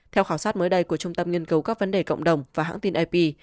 theo khảo sát mới đây của trung tâm nghiên cấu các vấn đề cộng đồng và hãng tin ip